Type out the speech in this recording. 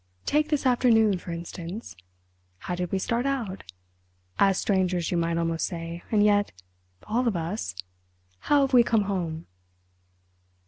Take this afternoon, for instance. How did we start out? As strangers you might almost say, and yet—all of us—how have we come home?"